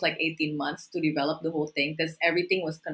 kami membutuhkan hampir delapan belas bulan untuk mengembangkan